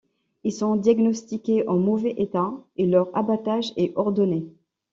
Ils sont diagnostiqués en mauvais état et leur abattage est ordonné.